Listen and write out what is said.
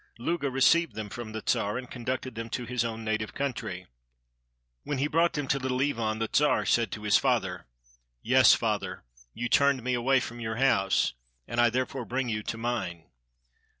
Luga received them from the Czar, and conducted them to his own native country. When he brought them to Little Ivan, the Czar said to his father— "Yes, father, you turned me away from your house, and I therefore bring you to mine.